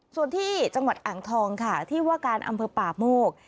ส่วนที่จังหวัดอ่างทองค่ะที่ว่าการอำเภอป่าโมก